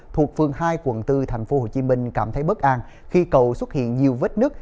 thuộc phương hai quận bốn tp hcm cảm thấy bất an khi cầu xuất hiện nhiều vết nước